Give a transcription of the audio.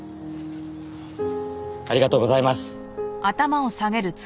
ありがとうございます！